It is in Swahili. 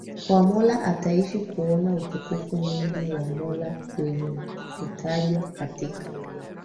kwa Mola ataishi kuona utukufu mwingi wa Mola wenye kutajwa katika